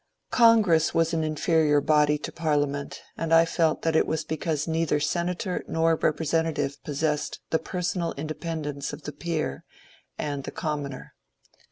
Congress was an inferior body to Parliament, and I felt that it was because neither senator nor representative pos sessed the personal independence of the peer and the com moner.